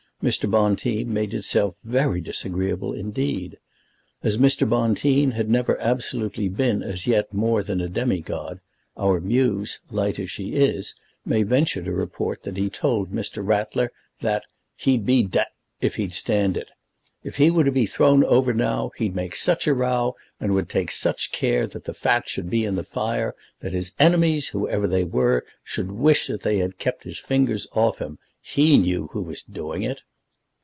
Mr. Bonteen made himself very disagreeable indeed. As Mr. Bonteen had never absolutely been as yet more than a demigod, our Muse, light as she is, may venture to report that he told Mr. Ratler that "he'd be d if he'd stand it. If he were to be thrown over now, he'd make such a row, and would take such care that the fat should be in the fire, that his enemies, whoever they were, should wish that they had kept their fingers off him. He knew who was doing it."